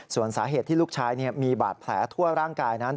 ส่วนสาเหตุที่ลูกชายมีบาดแผลทั่วร่างกายนั้น